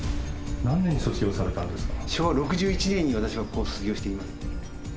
何年に卒業されたんですか？